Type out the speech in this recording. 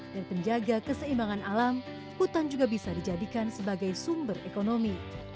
dan penjaga keseimbangan alam hutan juga bisa dijadikan sebagai sumber ekonomi